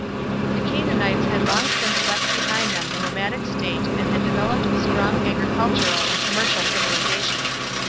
The Canaanites had long since left behind them the nomadic state and had developed a strong agricultural and commercial civilization.